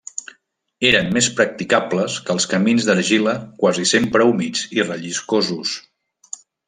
Eren més practicables que els camins d'argila quasi sempre humits i relliscosos.